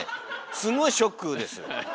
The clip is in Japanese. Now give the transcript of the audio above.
すごいショックです。